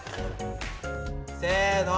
せの。